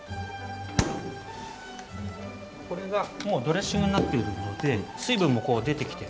これがもうドレッシングになってるので水分も出てきて。